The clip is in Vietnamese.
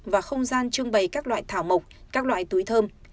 và không gian trưng bày các loại thảo mộc các loại túi thơm